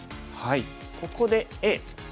ここでＡ。